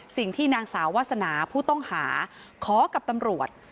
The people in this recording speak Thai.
สิ่งที่นางสาววาสนาผู้ต้องหาขอกับตำรวจ